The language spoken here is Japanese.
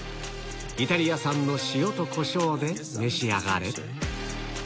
イタリア産の塩とこしょうで召し上がれ